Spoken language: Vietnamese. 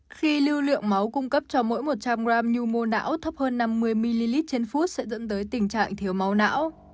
khi lưu lượng máu cung cấp cho mỗi một trăm linh g nhu mô não thấp hơn năm mươi ml trên phút sẽ dẫn tới tình trạng thiếu máu não